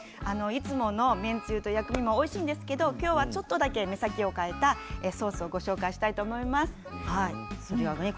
いつもの麺つゆと薬味もおいしいんですけれどもきょうはちょっと目先を変えたソースをご紹介したいと思います。